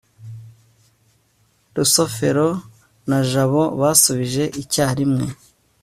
rusufero na jabo basubije icyarimwe